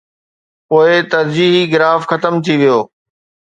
پوءِ ترجيحي گراف ختم ٿي ويو.